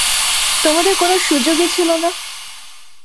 তোমাদের কোন সুযোগই ছিল না!